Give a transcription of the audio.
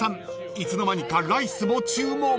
いつの間にかライスも注文］